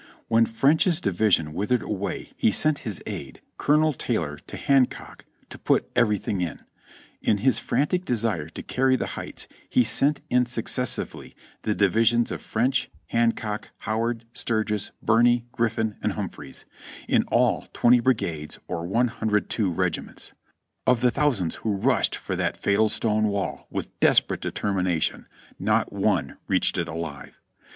When French's division withered away he sent his aide. Colonel Taylor to Hancock to "put everything in." In his frantic desire to carry the heights he sent in successively the divisions of French, Han cock, Howard, Sturgis, Birney, Griffin and Humphries — in all 20 brigades or 102 regiments. Of the thousands who ruslied for that fatal stone w all with desperate determination, not one reached it alive.